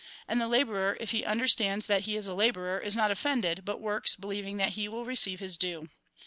And the labourer, if he under stands that he is a labourer, is not offended, but works, believing that he will receive his due.